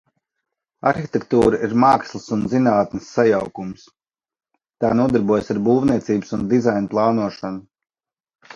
Arhitektūra ir mākslas un zinātnes sajaukums. Tā nodarbojas ar būvniecības un dizaina plānošanu.